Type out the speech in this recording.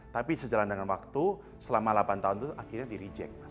tapi sejalan dengan waktu selama delapan tahun itu akhirnya di reject